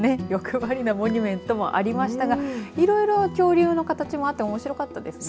恐竜とかにと欲張りなモニュメントもありましたがいろいろ恐竜の形もあっておもしろかったですね。